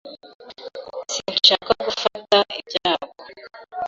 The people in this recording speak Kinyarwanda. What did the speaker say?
Sinshaka gufata ibyago.